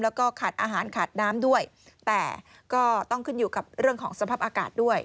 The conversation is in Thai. แล้วก็ขาดอาหารขาดน้ำด้วยแต่ก็ต้องขึ้นอยู่กับเรื่องของสภาพอากาศด้วย